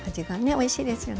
おいしいですよね。